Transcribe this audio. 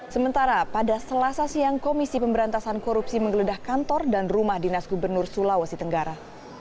sementara pada selasa siang komisi pemberantasan korupsi menggeledah kantor dan rumah dinas gubernur sulawesi tenggara